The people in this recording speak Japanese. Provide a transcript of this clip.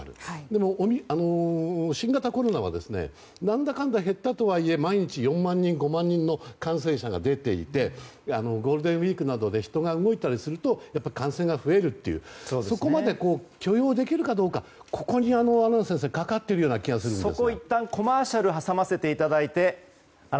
でも、新型コロナは何だかんだ減ったとはいえ毎日４万人、５万人の感染者が出ていてゴールデンウィークなどで人が動いたりするとやっぱり感染が増えるというそこまで許容できるかどうかここに、阿南先生かかっているような気がします。